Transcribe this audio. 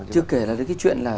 chưa kể đến cái chuyện là